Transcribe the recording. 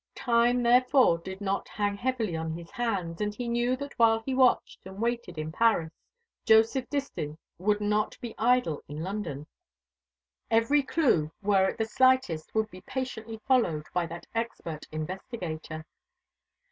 Time therefore did not hang heavily on his hands; and he knew that while he watched and waited in Paris, Joseph Distin would not be idle in London. Every clue, were it the slightest, would be patiently followed by that expert investigator.